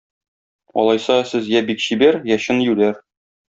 Алайса, сез я бик чибәр, я чын юләр.